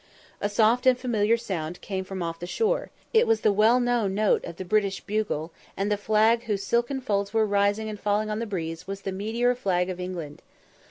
A soft and familiar sound came off from the shore; it was the well known note of the British bugle, and the flag whose silken folds were rising and falling on the breeze was the meteor flag of England.